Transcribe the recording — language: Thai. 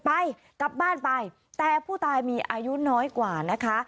ไปกลับบ้านไปแต่ผู้ตายมีอายุน้อยกว่านะคะ